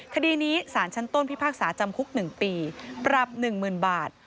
คดีนี้สารชั้นต้นพิพากษาจำคุก๑ปีปรับ๑๐๐๐บาท